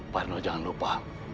pak reno jangan lupa